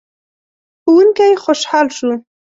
ښوونکی خوشحال شو.